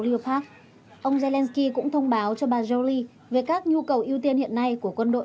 newark ông zelensky cũng thông báo cho bà elly về các nhu cầu ưu tiên hiện nay của quân đội